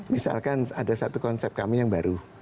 misalkan ada satu konsep kami yang baru